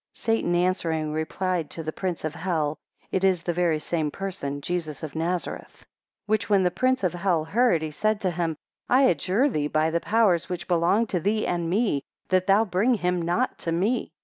15 Satan answering, replied to the prince of hell, It is the very same person, Jesus of Nazareth. 16 Which when the prince of hell heard, he said to him, I adjure thee by the powers which belong to thee and me, that thou bring him not to me.